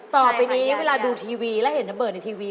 ต่อไปนี้เวลาดูทีวีและเห็นระเบิดในทีวี